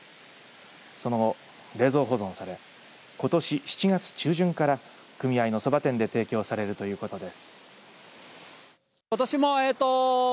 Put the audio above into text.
その後、冷蔵保存されことし７月中旬から組合のそば店で提供されるということです。